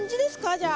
じゃあ。